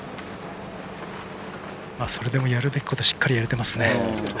それでもやるべきことしっかりやれてますね。